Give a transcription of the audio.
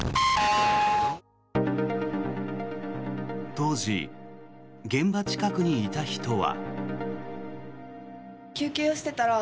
当時、現場近くにいた人は。